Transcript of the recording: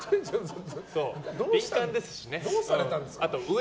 敏感ですしね。